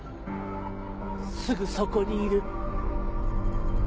すぐそこにいる。